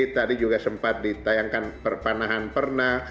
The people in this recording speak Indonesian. tadi juga sempat ditayangkan perpanahan perna